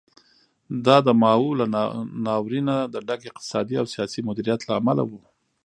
دا د ماوو له ناورینه د ډک اقتصادي او سیاسي مدیریت له امله و.